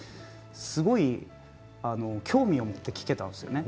すごく興味を持って聞けたんですね。